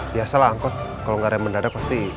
biasalah angkot kalau gak rem mendadak pasti